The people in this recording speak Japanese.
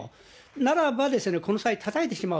ならば、この際、たたいてしまおう。